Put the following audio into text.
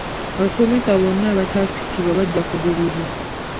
Abasomesa bonna abataatikkirwa bajja kugobwa.